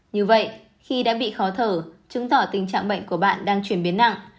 như vậy khi đã bị khó thở chứng tỏ tình trạng bệnh của bạn đang chuyển biến nặng